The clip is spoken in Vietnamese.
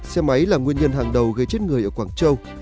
xe máy là nguyên nhân hàng đầu gây chết người ở quảng châu